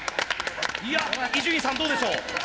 伊集院さんどうでしょう？